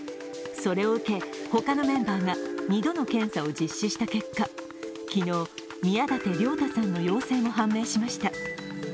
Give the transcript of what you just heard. それを受け、他のメンバーが２度の検査を実施した結果、昨日、宮舘涼太さんの陽性も判明しました。